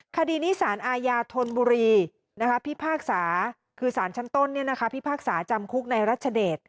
คดีนี้สารอาญาธนบุรีพิพากษาคือสารชั้นต้นพิพากษาจำคุกในรัชเดช